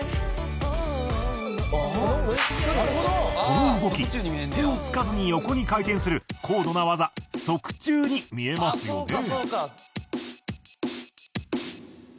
この動き手をつかずに横に回転する高度な技側宙に見えますよね。